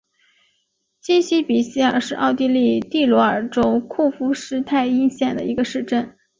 基希比希尔是奥地利蒂罗尔州库夫施泰因县的一个市镇。